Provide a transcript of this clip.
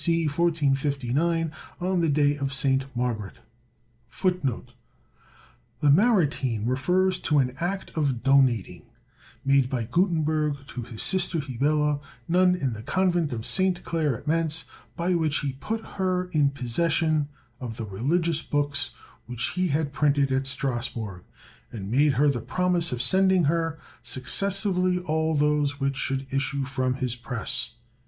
C. 1459, on the day of St. Margaret." Lamartine refers to an act of donating, made by Gutenberg to his sister Hebele, nun in the Convent of St. Claire at Mentz, by which he put her in possession of the religious books which he had printed at Strasbourg, and made her the promise of sending her successively all those which should issue from his press.